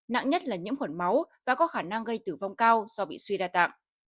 nặng nhất là nhiễm khuẩn máu và có khả năng gây tử vong cao do bị suy đa tạng